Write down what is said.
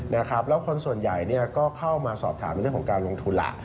แล้วคนส่วนใหญ่ก็เข้ามาสอบถามในเรื่องของการลงทุนล่ะ